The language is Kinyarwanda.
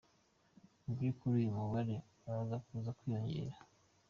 "Mu by'ukuri uyu mubare uraza kuza kwiyongera.